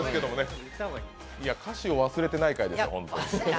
歌詞を忘れてないかですよ、本当に。